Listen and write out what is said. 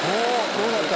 どうなった？